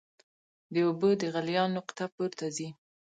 د اوبو د غلیان نقطه پورته ځي.